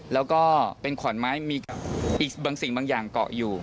และมีอีกบางอย่างเกาะอยู่